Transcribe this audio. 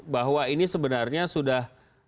bahwa ini sebenarnya sudah